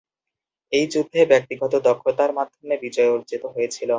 এই যুদ্ধে ব্যক্তিগত দক্ষতার মাধ্যমে বিজয় অর্জিত হয়েছিল।